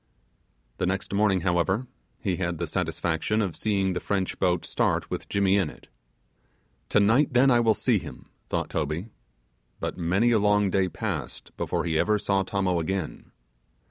The next morning, however, he had the satisfaction of seeing the French boat start with Jimmy in it. Tonight, then, I will see him, thought Toby; but many a long day passed before he ever saw Tommo again.